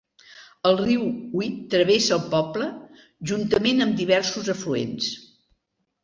El riu Wid travessa el poble, juntament amb diversos afluents.